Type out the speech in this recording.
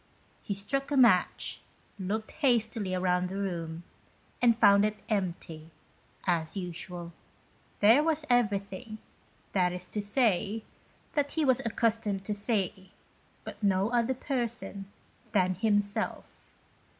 He struck a match, looked hastily round the room, and found it empty, as usual. There was everything, that is to say, that he was accustomed to see, but no other person than himself.